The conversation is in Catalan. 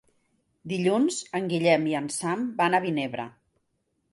Dilluns en Guillem i en Sam van a Vinebre.